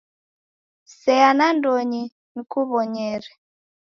Seya nandonyi nkuw'onyere.